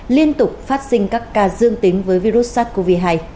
liên tục phát sinh các ca dương tính với virus sars cov hai